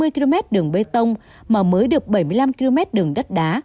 năm mươi km đường bê tông mà mới được bảy mươi năm km đường đất đá